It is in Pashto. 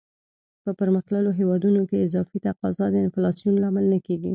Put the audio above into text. په پرمختللو هیوادونو کې اضافي تقاضا د انفلاسیون لامل نه کیږي.